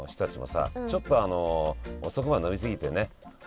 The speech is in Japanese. ちょっと遅くまで飲み過ぎてね